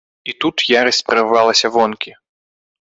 І тут ярасць прарвалася вонкі.